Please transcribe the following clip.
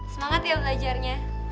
semangat ya belajarnya